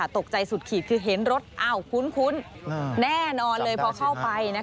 ตกใจสุดขีดคือเห็นรถคุ้นแน่นอนเลยพอเข้าไป